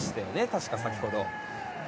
確か、先ほど。